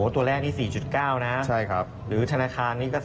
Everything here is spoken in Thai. ตัวแรกนี่๔๙นะหรือธนาคารนี้ก็